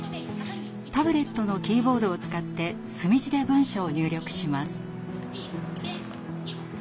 タブレットのキーボードを使って墨字で文章を入力します。